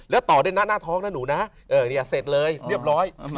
แล้วต่อด้วยนะหน้าท้องนะหนูนะเสร็จเลยเรียบร้อย